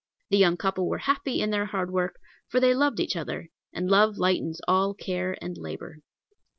The young couple were happy in their hard work, for they loved each other, and love lightens all care and labor.